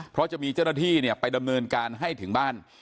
เพราะจะมีเจ้าหน้าที่ไปดำเนินการให้ถึงบ้าน